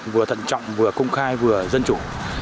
vừa thận trọng vừa công khai vừa dân chủ